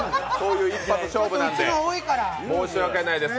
一発勝負なんで、申し訳ないです。